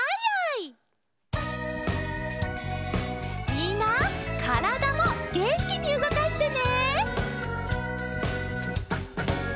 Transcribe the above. みんなからだもげんきにうごかしてね。